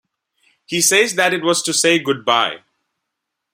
He says that it was to say goodbye.